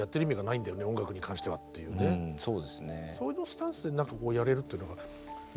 そういうスタンスで何かこうやれるっていうのが。